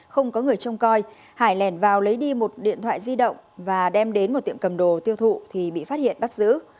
không có người trông coi hải lẻn vào lấy đi một điện thoại di động và đem đến một tiệm cầm đồ tiêu thụ thì bị phát hiện bắt giữ